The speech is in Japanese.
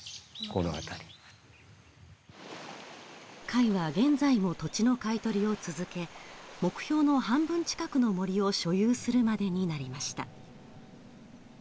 会は現在も土地の買い取りを続け、目標の半分近くの森を所有するまでになりました。